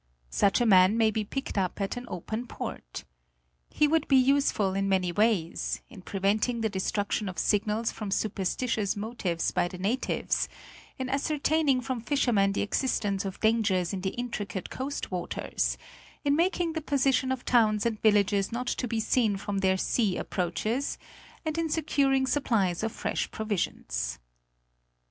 Such a man may be picked up at an open port. He would be useful in many ways: in prevent ing the destruction of signals from superstitious motives by the natives ; in ascertaining from fishermen the existence of dangers in the intricate coast waters ; in marking the position of towns and villages not to be seen from their sea approaches ; and in securing supplies of fresh provisions.